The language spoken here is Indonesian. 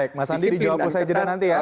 baik mas aldi di jawab usai jeda nanti ya